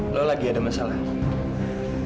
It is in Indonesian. lu lagi ada masalah